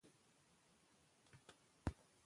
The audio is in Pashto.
هغه مهال د انګریزۍ خلاف مبارزه روانه وه.